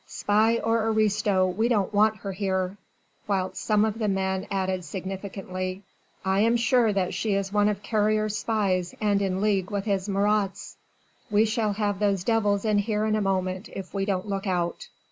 Spy or aristo we don't want her here!" whilst some of the men added significantly: "I am sure that she is one of Carrier's spies and in league with his Marats! We shall have those devils in here in a moment if we don't look out!